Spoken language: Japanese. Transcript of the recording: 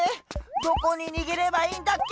どこににげればいいんだっけ？